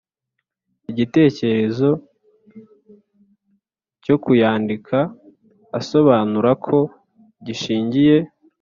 Igitekerezo cyo kuyandika asobanura ko gishingiye